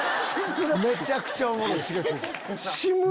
めちゃくちゃおもろい。